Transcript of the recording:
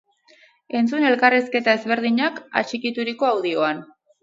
Entzun elkarrizketa ezberdinak atxikituriko audioan!